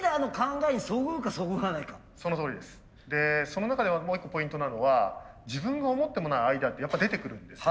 その中でもう一個ポイントなのは自分が思ってもないアイデアってやっぱ出てくるんです。